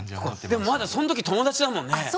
でもまだその時友達だもんね。